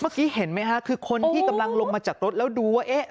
เมื่อกี้เห็นไหมฮะคือคนที่กำลังลงมาจากรถแล้วดูว่าเอ๊ะ